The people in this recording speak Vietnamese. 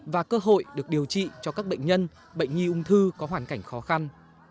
và cơ hội được điều trị cho các bệnh nhân bệnh nhi ung thư có hoàn cảnh khó khăn